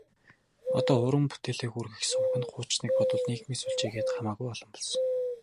Одоо уран бүтээлээ хүргэх суваг нь хуучныг бодвол нийгмийн сүлжээ гээд хамаагүй олон болсон.